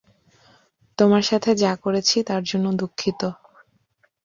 তোমার সাথে যা করেছি তার জন্য দুঃখিত।